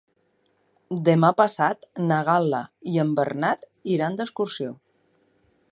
Demà passat na Gal·la i en Bernat iran d'excursió.